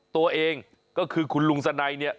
ตัวเองก็คือคุณลุงสนัย